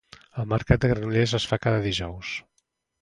El mercat de Granollers es fa cada dijous